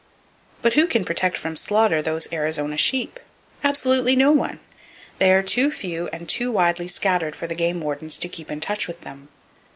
But who can protect from slaughter those Arizona sheep? Absolutely no one! They are too few and too widely scattered for the game wardens to keep in touch with them.